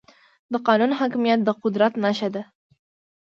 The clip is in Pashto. د قانون حاکميت د قدرت نښه ده.